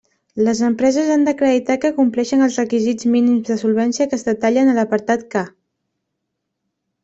Les empreses han d'acreditar que compleixen els requisits mínims de solvència que es detallen a l'apartat K.